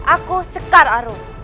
aku sekar arun